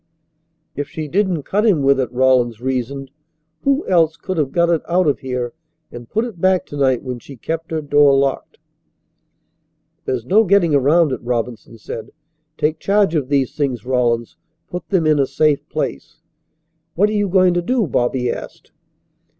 "If she didn't cut him with it," Rawlins reasoned, "who else could have got it out of here and put it back to night when she kept her door locked?" "There's no getting around it," Robinson said. "Take charge of these things, Rawlins. Put them in a safe place." "What are you going to do?" Bobby asked.